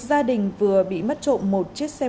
gia đình vừa bị mất trộm một chiếc xe